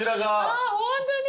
あホントに？